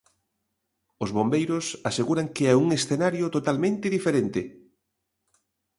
Os bombeiros aseguran que é un escenario totalmente diferente.